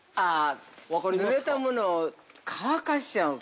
◆ぬれたものを乾かしちゃう。